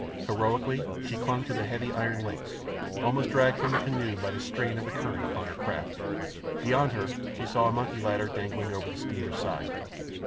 Heroically she clung to the heavy iron links, almost dragged from the canoe by the strain of the current upon her craft. Beyond her she saw a monkey ladder dangling over the steamer's side.